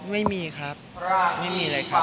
ไม่มีครับไม่มีเลยครับ